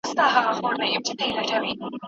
د داریا غږ سره لنډۍ غبرګه کړي: